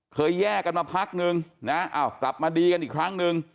แยกกันมาพักนึงนะอ้าวกลับมาดีกันอีกครั้งหนึ่ง